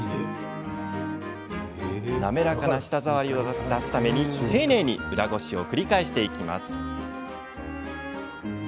滑らかな舌触りを出すため丁寧に裏ごしを繰り返していきます。